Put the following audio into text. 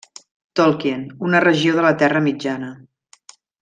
Tolkien, una regió de la Terra Mitjana.